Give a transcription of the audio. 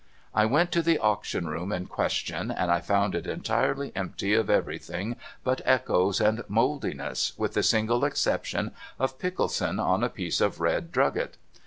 I went to the Auction Room in question, and I found it entirely empty of everything but echoes and mouldiness, with the single exception of Pickleson on a piece of red drugget.